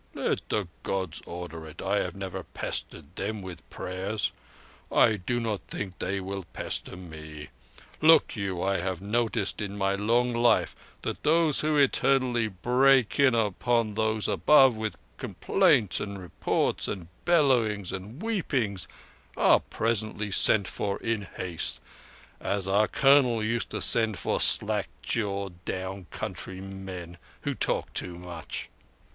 "Let the Gods order it. I have never pestered Them with prayers. I do not think They will pester me. Look you, I have noticed in my long life that those who eternally break in upon Those Above with complaints and reports and bellowings and weepings are presently sent for in haste, as our Colonel used to send for slack jawed down country men who talked too much.